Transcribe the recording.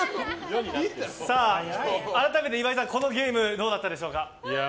改めて岩井さん、このゲームどうだったでしょうか。